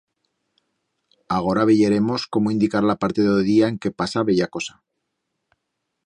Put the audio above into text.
Agora veyeremos cómo indicar la parte d'o día en que pasa bella cosa.